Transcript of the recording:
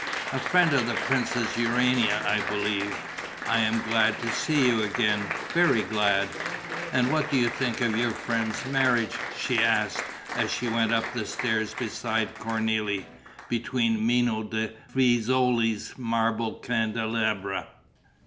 A friend of the Princess Urania, I believe? I am glad to see you again, very glad.... And what do you think of your friend's marriage?" she asked, as she went up the stairs beside Cornélie, between Mino da Fiesole's marble candelabra.